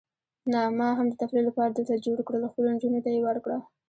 نه، ما هم د تفریح لپاره درته جوړ کړل، خپلو نجونو ته یې ورکړه.